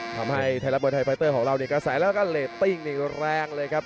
ทำให้ไทยรัฐมวยไทยไฟเตอร์ของเราเนี่ยกระแสแล้วก็เรตติ้งนี่แรงเลยครับ